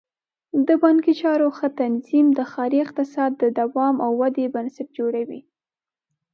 د بانکي چارو ښه تنظیم د ښاري اقتصاد د دوام او ودې بنسټ جوړوي.